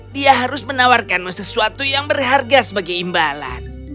dia harus menawarkanmu sesuatu yang berharga sebagai imbalan